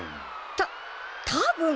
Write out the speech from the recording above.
たたぶん？